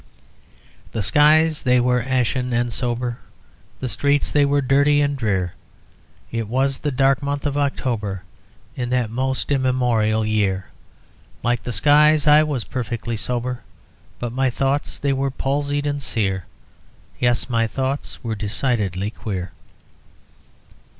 "The skies they were ashen and sober, The streets they were dirty and drear, It was the dark month of October, In that most immemorial year. Like the skies, I was perfectly sober, But my thoughts they were palsied and sear, Yes, my thoughts were decidedly queer."